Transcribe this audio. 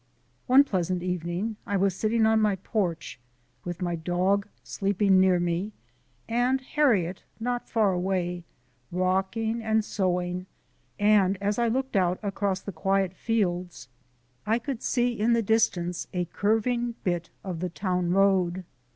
One pleasant evening I was sitting on my porch with my dog sleeping near me, and Harriet not far away rocking and sewing, and as I looked out across the quiet fields I could see in the distance a curving bit of the town road.